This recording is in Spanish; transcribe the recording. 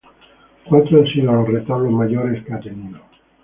Cuatro han sido los retablos mayores que ha tenido.